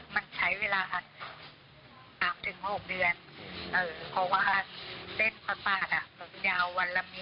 มันใช้เวลา๓๖เดือนเพราะว่าเส้นฟาดผมยาววันละมิ